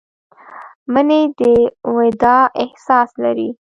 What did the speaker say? منی د وداع احساس لري